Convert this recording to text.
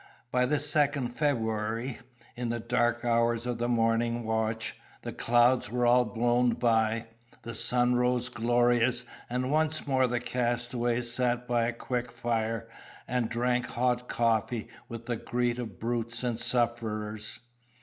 By the 2nd February, in the dark hours of the morning watch, the clouds were all blown by; the sun rose glorious; and once more the castaways sat by a quick fire, and drank hot coffee with the greed of brutes and sufferers.